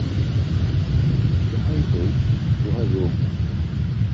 যাহাই হউক, উহা রোগমাত্র।